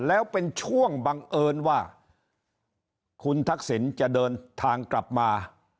แล้วเป็นช่วงบังเอิญว่าคุณทักษิณจะเดินทางกลับมา